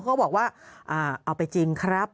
เขาบอกว่าเอาไปจริงครับ